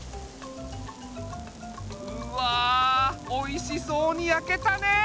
うわおいしそうにやけたね！